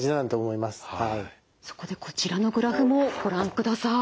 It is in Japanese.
そこでこちらのグラフもご覧ください。